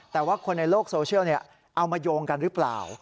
แต่ว่าคนในโลกโซเชียลเอามาโยงกันหรือเปล่า